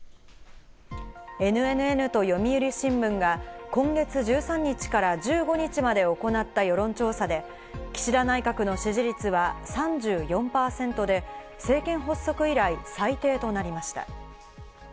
ＮＮＮと読売新聞が今月１３日から１５日まで行った世論調査で、岸田内閣の支持率は３４％で、政権発足以来、最低となりました。